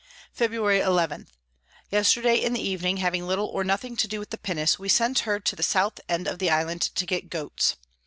Febr. 11. Yesterday in the Evening having little or nothing to do with the Pinnance, we sent her to the South End of the Island to get Goats.